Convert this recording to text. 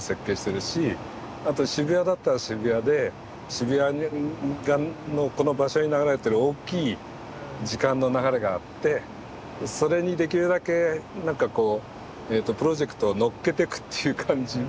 あと渋谷だったら渋谷で渋谷のこの場所に流れてる大きい時間の流れがあってそれにできるだけなんかこうプロジェクトを乗っけてくという感じ。